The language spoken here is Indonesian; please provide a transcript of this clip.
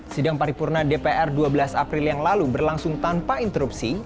sidang paripurna dpr dua belas april yang lalu berlangsung tanpa interupsi